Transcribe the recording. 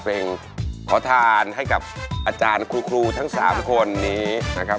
เพลงขอทานให้กับอาจารย์คุณครูทั้ง๓คนนี้นะครับ